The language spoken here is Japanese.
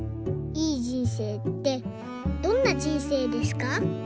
いい人生ってどんな人生ですか？」。